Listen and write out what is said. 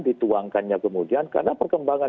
dituangkannya kemudian karena perkembangan